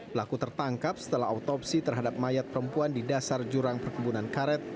pelaku tertangkap setelah otopsi terhadap mayat perempuan di dasar jurang perkebunan karet